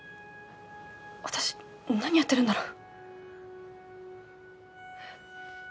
私何やってるんだろう。